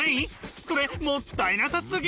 それもったいなさすぎ！